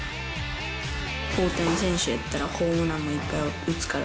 大谷選手やったら、ホームランもいっぱい打つから。